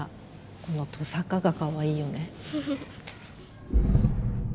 このトサカがかわいいよね。